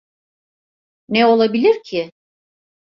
Ne olabilir ki?